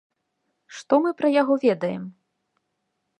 Што мы пра яго ведаем?